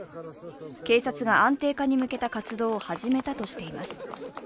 警察が安定化に向けた活動を始めたとしています。